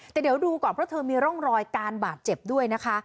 แต่เดี๋ยวดูก่อนเพราะเธอมีร่องรอยการบาดเจ็บด้วยนะคะ